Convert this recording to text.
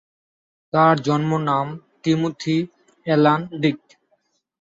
তার জন্মনাম Timothy Alan ডিক।